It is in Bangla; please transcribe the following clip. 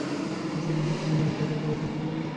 কিছুদিন হইতে বিনয়ের দেখাই পাওয়া যাইতেছিল না।